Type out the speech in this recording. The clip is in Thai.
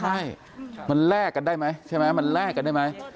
ใช่มันแลกกันได้ไหมใช่ไหมมันแลกกันได้ไหม